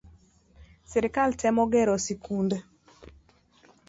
Sirkal temo gero sikunde